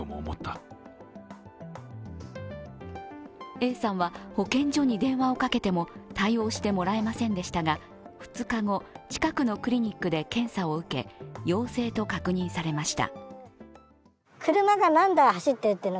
Ａさんは保健所に電話をかけても対応してもらえませんでしたが２日後、近くのクリニックで検査を受け陽性と確認されました。